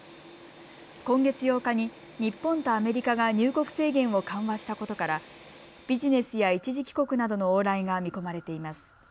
今月８日に日本とアメリカが入国制限を緩和したことからビジネスや一時帰国などの往来が見込まれています。